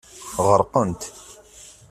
Ɣerqent.